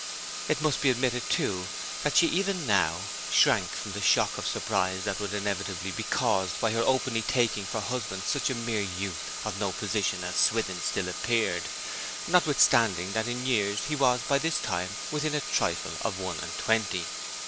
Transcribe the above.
It must be admitted, too, that she even now shrank from the shock of surprise that would inevitably be caused by her openly taking for husband such a mere youth of no position as Swithin still appeared, notwithstanding that in years he was by this time within a trifle of one and twenty.